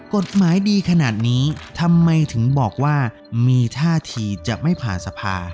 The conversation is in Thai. กฎหมายดีขนาดนี้ทำไมถึงบอกว่ามีท่าทีจะไม่ผ่านสภา